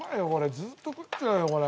ずっと食っちゃうよこれ。